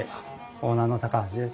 オーナーの橋です。